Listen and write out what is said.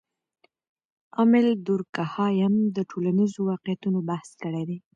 امیل دورکهایم د ټولنیزو واقعیتونو بحث کړی دی.